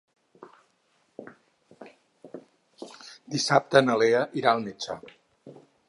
Dissabte na Lea irà al metge.